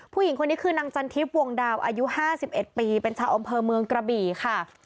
ผู้หญิงคนนี้คือนางจันทิพย์วงดาวอายุ๕๑ปีเป็นชาวอำเภอเมืองกระบี่ค่ะ